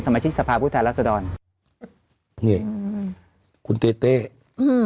สมาชิกสภาพุทธรรษฎรนี่คุณเต้เต้อืม